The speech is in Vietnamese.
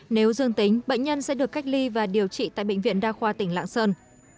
nếu dương tính bệnh nhân sẽ được cách ly và điều trị tại bệnh viện đa khoa tỉnh lạng sơn